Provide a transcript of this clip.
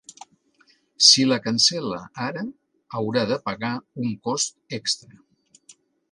Si la cancel·la ara haurà de pagar un cost extra.